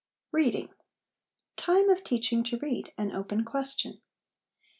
READING Time of Teaching to Read, an Open Question.